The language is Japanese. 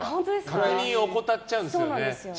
確認怠っちゃうんですよね。